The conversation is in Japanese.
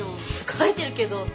「書いてるけど」って。